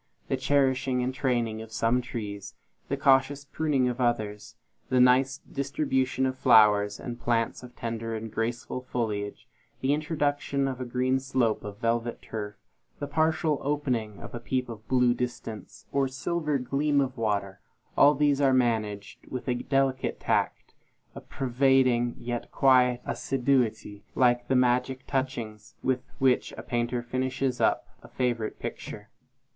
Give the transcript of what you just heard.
The cherishing and training of some trees; the cautious pruning of others; the nice distribution of flowers and plants of tender and graceful foliage; the introduction of a green slope of velvet turf; the partial opening to a peep of blue distance, or silver gleam of water; all these are managed with a delicate tact, a pervading yet quiet assiduity, like the magic touchings with which a painter finishes up a favorite picture.